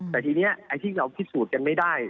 แต่ทีนี้ไอ้ที่เราพิสูจน์กันไม่ได้